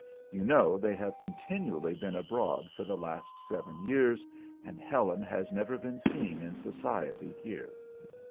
You know they have continually been abroad for the last seven years, and Helen has never been seen in society here.